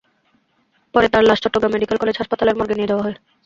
পরে তাঁর লাশ চট্টগ্রাম মেডিকেল কলেজ হাসপাতালের মর্গে নিয়ে যাওয়া হয়।